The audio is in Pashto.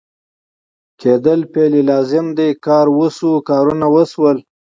کېدل فعل لازم دی کار وشو ، کارونه وشول